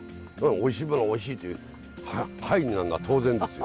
おいしいものはおいしいってハイになるのは当然ですよ。